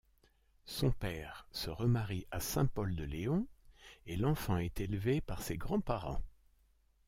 Son père se remarie à Saint-Pol-de-Léon, et l'enfant est élevé par ses grands-parents.